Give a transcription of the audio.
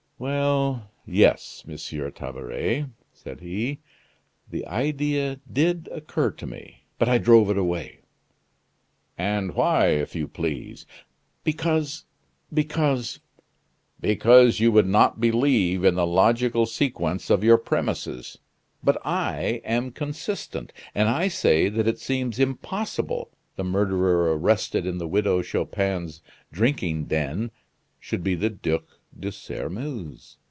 "Well, yes, Monsieur Tabaret," said he, "the idea did occur to me; but I drove it away." "And why, if you please?" "Because because " "Because you would not believe in the logical sequence of your premises; but I am consistent, and I say that it seems impossible the murderer arrested in the Widow Chupin's drinking den should be the Duc de Sairmeuse.